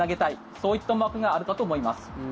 そういった思惑があるかと思います。